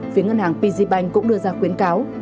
phía ngân hàng pzbank cũng đưa ra khuyến cáo